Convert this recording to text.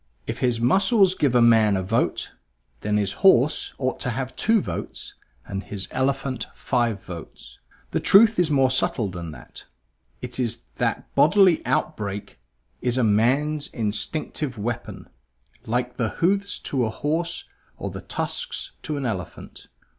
If his muscles give a man a vote, then his horse ought to have two votes and his elephant five votes. The truth is more subtle than that; it is that bodily outbreak is a man's instinctive weapon, like the hoofs to the horse or the tusks to the elephant.